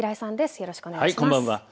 よろしくお願いします。